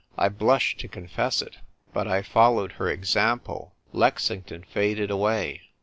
I blush to confess it ; but I followed her exampl •. Lexington faded away.